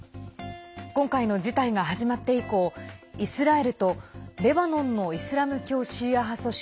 今回の事態が始まって以降イスラエルとレバノンのイスラム教シーア派組織